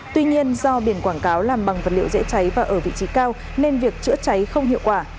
tuy nhiên do biển quảng cáo làm bằng vật liệu dễ cháy và ở vị trí cao nên việc chữa cháy không hiệu quả